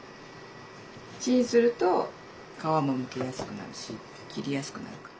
チンすると皮もむきやすくなるし切りやすくなるから。